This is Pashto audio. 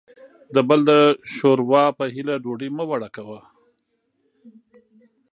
دبل دشوروا په هیله ډوډۍ مه وړه وه